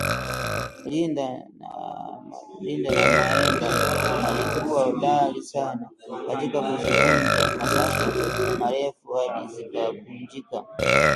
Linda Namaemba alikuwa hodari sana katika kuzikunja masafa marefu hadi zikakunjika